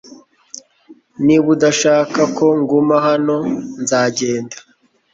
Niba udashaka ko nguma hano nzagenda